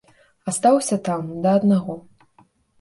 Астаўся там, да аднаго.